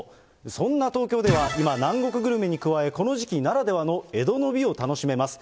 そんな東京では今、南国グルメに加え、この時期ならではの江戸の美を楽しめます。